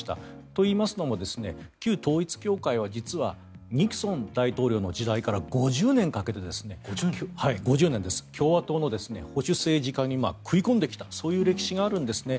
というのも旧統一教会は実はニクソン大統領の時代から５０年かけて共和党の保守政治家に食い込んできたそういう歴史があるんですね。